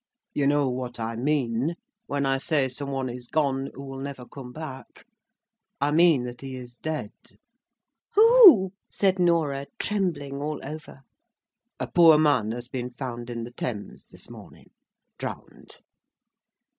"You know what I mean, when I say some one is gone who will never come back. I mean that he is dead!" "Who?" said Norah, trembling all over. "A poor man has been found in the Thames this morning, drowned."